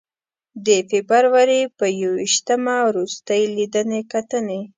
د فبروري په ی ویشتمه روستۍ لیدنې کتنې.